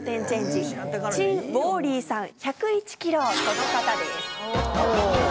この方です。